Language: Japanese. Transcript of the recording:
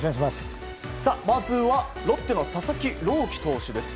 まずはロッテの佐々木朗希投手です。